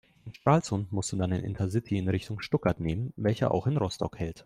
In Stralsund musst du dann den Intercity in Richtung Stuttgart nehmen, welcher auch in Rostock hält.